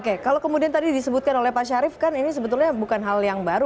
oke kalau kemudian tadi disebutkan oleh pak syarif kan ini sebetulnya bukan hal yang baru